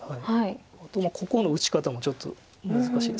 あとここの打ち方もちょっと難しいですか。